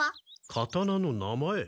刀の名前？